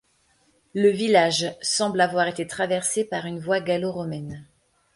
Le village semble avoir été traversé par une voie gallo-romaine.